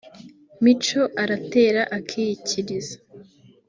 Mico aratera akiyikiriza